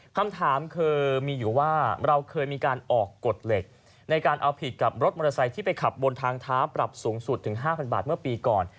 คำถามคือมีอยู่ว่าเราเคยมีการออกกฎเหล็กในการเอาผิดกับรถมอเตอร์ไซค์ที่ไปขับบนทางเท้าปรับสูงสุดถึง๕๐๐บาทเมื่อปีก่อน